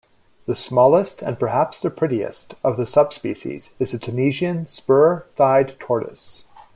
The smallest, and perhaps the prettiest, of the subspecies is the Tunisian spur-thighed tortoise.